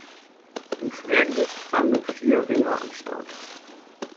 Im Schwergewicht waren nur vier Ringer am Start.